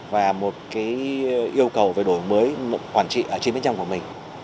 và một yêu cầu về đổi mới quản trị ở trên bên trong của mình